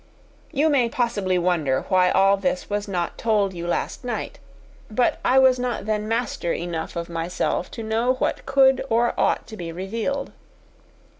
You may possibly wonder why all this was not told you last night. But I was not then master enough of myself to know what could or ought to be revealed.